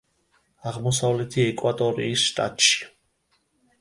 აღმოსავლეთი ეკვატორიის შტატში.